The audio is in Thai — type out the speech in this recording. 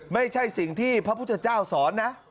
ไม่ใช่สิ่งที่พระพุทธเจ้าสอนนะ